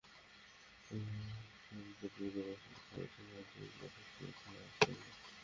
একপর্যায়ে বিচারকের সঙ্গে থাকা পুলিশের সহায়তায় ইকবাল হোসেন থানায় আশ্রয় নেন।